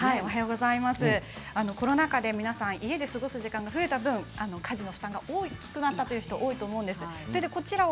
コロナ禍で家で過ごす時間が増えた分家事の負担が大きくなった人が多いと思うんですね。